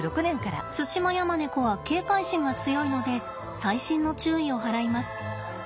ツシマヤマネコは警戒心が強いので細心の注意を払います。